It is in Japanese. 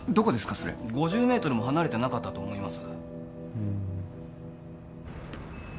それ５０メートルも離れてなかったと思います